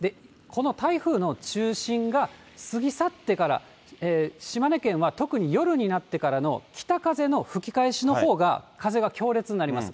この台風の中心が過ぎ去ってから、島根県は特に夜になってからの北風の吹き返しのほうが、風は強烈になります。